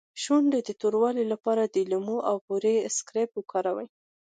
د شونډو د توروالي لپاره د لیمو او بورې اسکراب وکاروئ